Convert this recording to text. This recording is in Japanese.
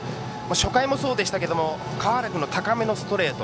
初回もそうでしたけど川原君の高めのストレート